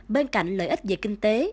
bên cạnh lợi ích về kinh tế